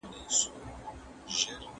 راځئ چې د پوهې په لور ولاړ سو.